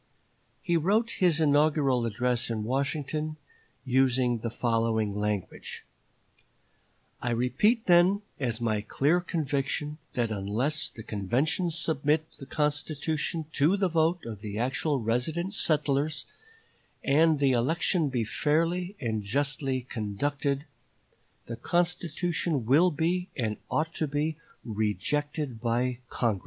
He wrote his inaugural address in Washington, using the following language: "I repeat then as my clear conviction that unless the convention submit the constitution to the vote of the actual resident settlers, and the election be fairly and justly conducted, the constitution will be and ought to be rejected by Congress."